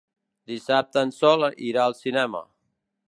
Dissabte en Sol irà al cinema.